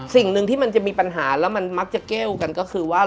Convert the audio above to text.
สิ่งหนึ่งที่มันจะมีปัญหาแล้วมันมักจะแก้วกันก็คือว่า